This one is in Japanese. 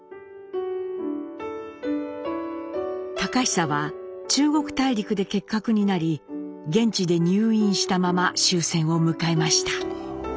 隆久は中国大陸で結核になり現地で入院したまま終戦を迎えました。